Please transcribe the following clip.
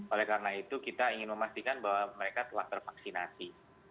oleh karena itu kita ingin memastikan bahwa mereka telah tervaksinasi